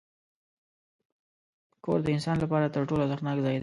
کور د انسان لپاره تر ټولو ارزښتناک ځای دی.